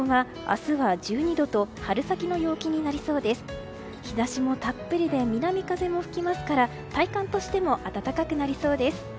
日差しもたっぷりで南風も吹きますから体感としても暖かくなりそうです。